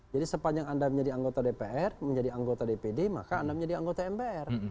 jadi sepanjang anda menjadi anggota dpr menjadi anggota dpd maka anda menjadi anggota mpr